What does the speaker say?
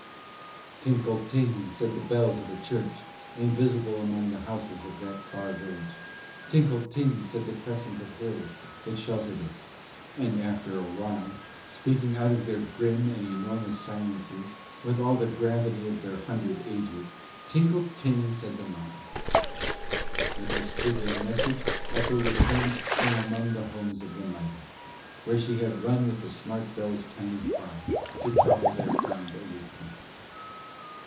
Tinkle ting said the bells of a church, invisible among the houses of that far village. Tinkle ting said the crescent of hills that sheltered it. And after a while, speaking out of their grim and enormous silences with all the gravity of their hundred ages, Tinkle ting said the mountains. With this trivial message Echo returned from among the homes of the mighty, where she had run with the small bell's tiny cry to trouble their crowned aloofness.